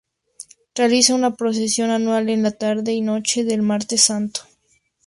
Realiza una procesión anual en la tarde y noche del Martes Santo.